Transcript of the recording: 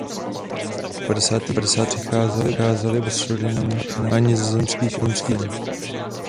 Od padesátých let přicházeli obyvatelé Surinamu a Nizozemských Antil.